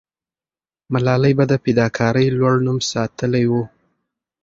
ملالۍ به د فداکارۍ لوړ نوم ساتلې وو.